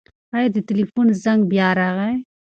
ایا د تلیفون زنګ بیا راغی؟